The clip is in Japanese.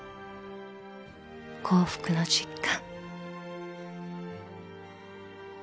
［幸福の実感］